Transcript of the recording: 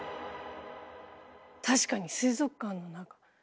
確かに水族館の中。